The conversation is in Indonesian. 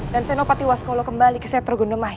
dan senopati waskolo kembali ke setro gondemai